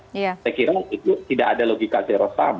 saya kira itu tidak ada logika zero sam